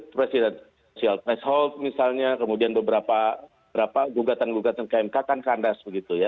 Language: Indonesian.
presiden misalnya kemudian beberapa gugatan gugatan ke mk kan kandas begitu ya